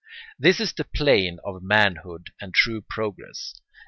This is the plane of manhood and true progress.